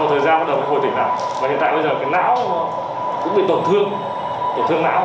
sau thời gian bắt đầu hồi tỉnh nặng và hiện tại bây giờ cái não cũng bị tổn thương tổn thương não rất là nặng